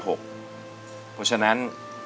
เพราะฉะนั้น